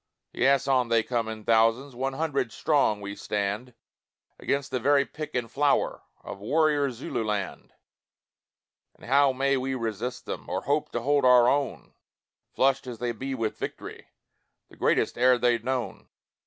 Yes, on they come in thousands One hundred strong we stand, Against the very pick and flower Of warrior Zululand: And how may we resist them, Or hope to hold our own, Flushed as they be with victory The greatest e'er they've known?